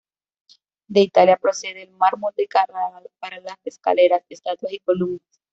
De Italia procede el mármol de Carrara para las escaleras, estatuas, y columnas.